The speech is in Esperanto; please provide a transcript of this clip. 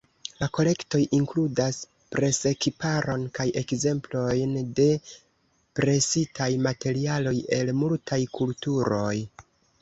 La kolektoj inkludas presekiparon kaj ekzemplojn de presitaj materialoj el multaj kulturoj.